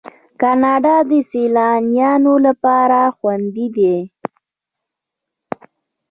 کاناډا د سیلانیانو لپاره خوندي ده.